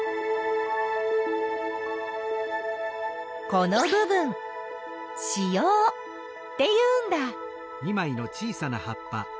この部分子葉っていうんだ。